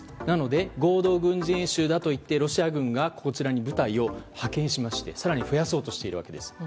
なので、合同軍事演習だといってロシア軍がこちらに部隊を派遣しまして更に増やそうとしているわけです。